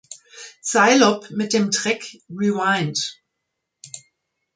Cylob mit dem Track "Rewind!"